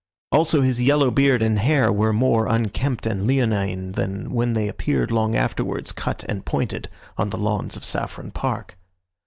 Also his yellow beard and hair were more unkempt and leonine than when they appeared long afterwards, cut and pointed, on the lawns of Saffron Park.